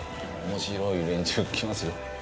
面白い連中来ますよ。